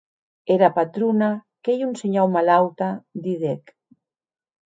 Era patrona qu’ei un shinhau malauta, didec.